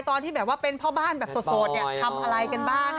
ตอนที่แบบว่าเป็นพ่อบ้านแบบโสดทำอะไรกันบ้าง